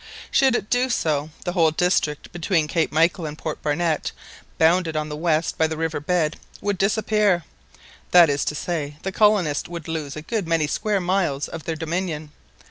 Should it do so, the whole district between Cape Michael and Port Barnett, bounded on the west by the river bed, would disappear—that is to say, the colonists would lose a good many square miles of their domain.